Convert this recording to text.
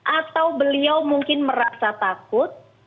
atau beliau mungkin merasa takut